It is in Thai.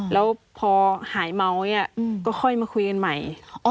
แล้วพอหายเมาอย่างนี้ก็ค่อยมาคุยกันใหม่